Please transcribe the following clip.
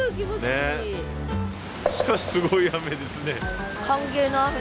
しかしすごい雨ですね。